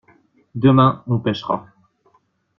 Demain on pêchera.